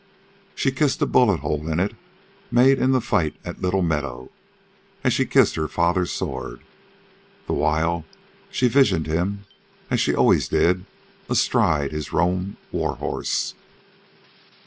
She kissed the bullet hole in it, made in the fight at Little Meadow, as she kissed her father's sword, the while she visioned him, as she always did, astride his roan warhorse.